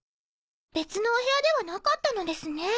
別のお部屋ではなかったのですね。